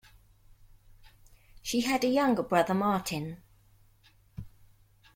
She had a younger brother, Martin.